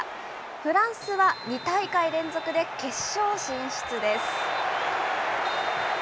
フランスは２大会連続で決勝進出です。